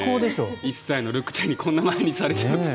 １歳のルクちゃんにこんなふうにされちゃうと。